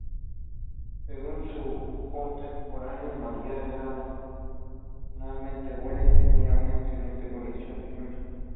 Según sus contemporáneos, María "era inusualmente buena y tenía una excelente colección de gemas.